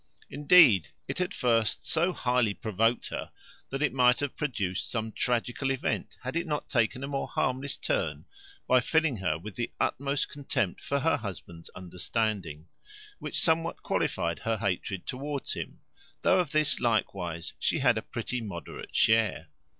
Indeed, it at first so highly provoked her, that it might have produced some tragical event, had it not taken a more harmless turn, by filling her with the utmost contempt for her husband's understanding, which somewhat qualified her hatred towards him; though of this likewise she had a pretty moderate share.